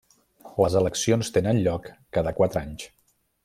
Les eleccions tenen lloc cada quatre anys.